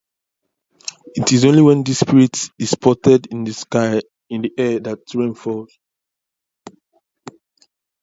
It is only when these spirits sport in the air that rain falls.